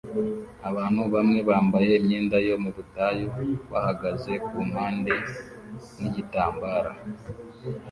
abantu bamwe bambaye imyenda yo mubutayu bahagaze kumpande nigitambara